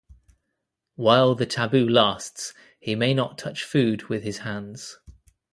While the taboo lasts he may not touch food with his hands.